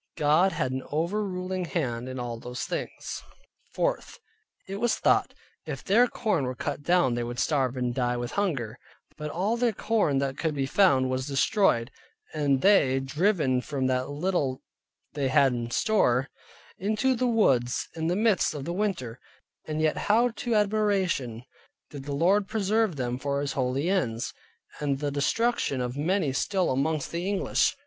God had an over ruling hand in all those things. 4. It was thought, if their corn were cut down, they would starve and die with hunger, and all their corn that could be found, was destroyed, and they driven from that little they had in store, into the woods in the midst of winter; and yet how to admiration did the Lord preserve them for His holy ends, and the destruction of many still amongst the English!